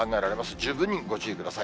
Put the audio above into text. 十分にご注意ください。